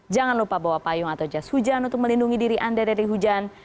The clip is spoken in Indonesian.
jangan lupa bawa payung atau jas hujan untuk melindungi diri anda dari hujan